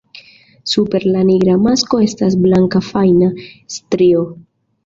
Super la nigra masko estas blanka fajna strio.